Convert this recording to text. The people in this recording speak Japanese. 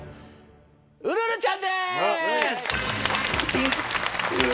ウルルちゃんです！